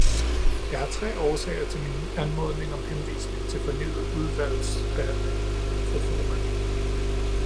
Jeg har tre årsager til min anmodning om henvisning til fornyet udvalgsbehandling, fru formand.